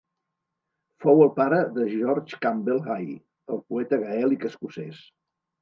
Fou el pare de George Campbell Hay, el poeta gaèlic escocès.